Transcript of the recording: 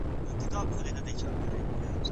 مشوره ورکول د زده کوونکو ستونزي کموي.